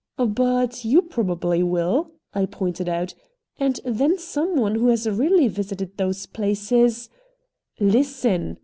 "But, you probably will," I pointed out, "and then some one who has really visited those places " "Listen!"